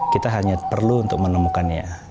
kita hanya perlu untuk menemukannya